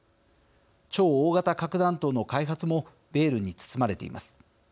超大型核弾頭の開発もベールに包まれています。